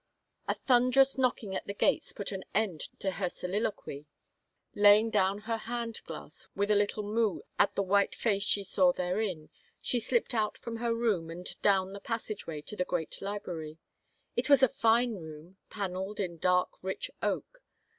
A thunderous knocking at the gates put an end to her soliloquy. Laying down her hand glass with a little moue at the white face she saw therein, she slipped out from her room and down the passageway to the great library. It was a fine room, paneled in dark, rich oak.